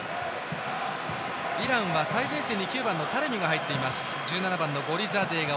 イランは最前線にタレミが入っている。